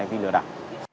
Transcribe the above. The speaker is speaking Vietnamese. hành vi lừa đảo